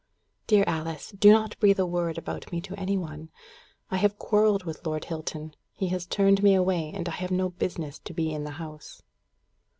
"Dear Alice, do not breath a word about me to any one. I have quarrelled with Lord Hilton. He has turned me away, and I have no business to be in the house."